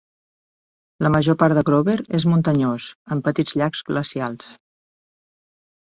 La major part de Grover és muntanyós, amb petits llacs glacials.